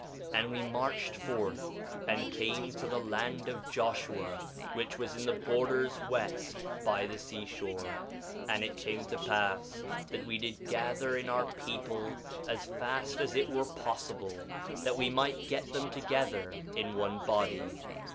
2:6 And we marched forth and came to the land of Joshua, which was in the borders west by the seashore. 2:7 And it came to pass that we did gather in our people as fast as it were possible, that we might get them together in one body.